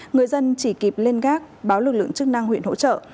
người dân chỉ kịp lên gác báo lực lượng chức năng huyện hỗ trợ